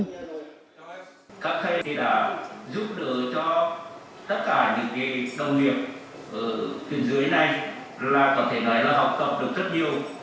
học tập được rất nhiều của các thầy